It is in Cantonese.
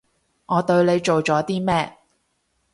我對你做咗啲咩？